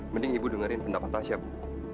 mending ibu dengerin pendapat tasya bu